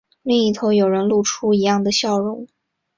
另一头有人露出一样的笑容